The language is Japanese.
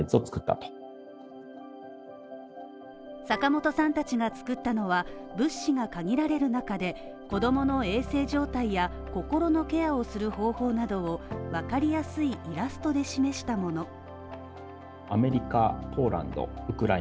坂本さんたちが作ったのは物資が限られる中で子供の衛生状態や心のケアをする方法などを分かりやすいイラストで示したもの。